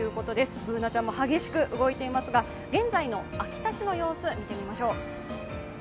Ｂｏｏｎａちゃんも激しく動いていますが現在の秋田市の様子、見ていきましょう。